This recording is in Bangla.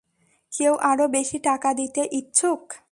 কেউ আরো বেশি টাকা দিতে ইচ্ছুক?